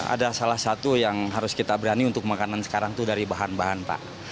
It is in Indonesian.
ada salah satu yang harus kita berani untuk makanan sekarang itu dari bahan bahan pak